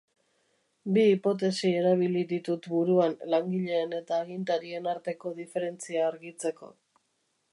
Bi hipotesi erabili ditut buruan langileen eta agintarien arteko diferentzia argitzeko.